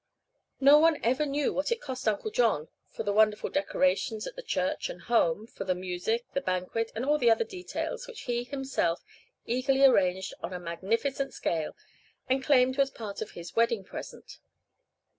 No one ever knew what it cost Uncle John for the wonderful decorations at the church and home, for the music, the banquet and all the other details which he himself eagerly arranged on a magnificent scale and claimed was a part of his "wedding present."